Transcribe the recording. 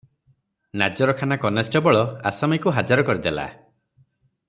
ନାଜରଖାନା constable ଆସାମୀକୁ ହାଜର କରିଦେଲା ।